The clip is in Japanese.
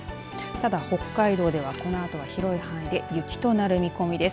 ただ、北海道では、このあと広い範囲で雪となる見込みです。